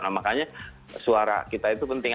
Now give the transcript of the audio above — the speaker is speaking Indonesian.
nah makanya suara kita itu penting